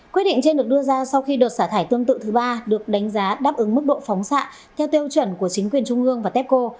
quyết định trên được đưa ra sau khi đợt xả thải tương tự thứ ba được đánh giá đáp ứng mức độ phóng xạ theo tiêu chuẩn của chính quyền trung ương và tepco